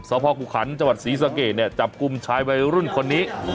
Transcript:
สภพกุขันศ์จัวร์ศรีศักย์เนี่ยจับกุมชายวัยรุ่นคนนี้